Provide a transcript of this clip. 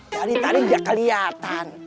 dari tadi nggak kelihatan